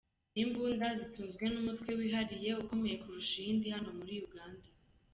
Ni imbunda zitunzwe n’umutwe wihariye ukomeye kurusha iyindi hano muri Uganda.”